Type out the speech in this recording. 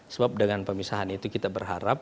sebab dengan pemisahan itu kita berharap